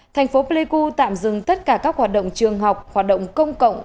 tp pleiku tạm dừng tất cả các hoạt động trường học hoạt động công cộng